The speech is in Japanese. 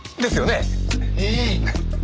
ええ。